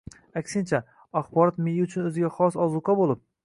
Aksincha, axborot miya uchun o‘ziga xos ozuqa bo‘lib